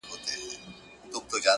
یوه برخه د پرون له رشوتونو،